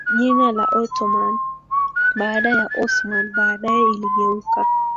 jina la Ottoman baada ya Osman Baadaye iligeuka